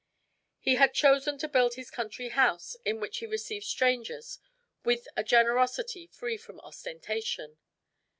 He had chosen to build this country house, in which he received strangers with a generosity free from ostentation.